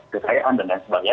kekayaan dan lain sebagainya